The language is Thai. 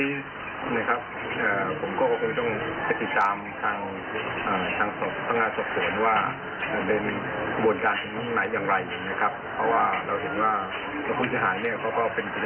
ก็ผู้ถูกกับการณ์ก็เป็นตำรวจนะครับซึ่งจะมองดูว่าความเริ่มรับมันแตกต่างกันอยู่แล้ว